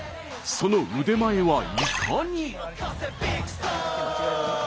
その腕前はいかに？